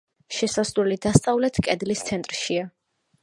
შესასვლელი დასავლეთ კედლის ცენტრშია.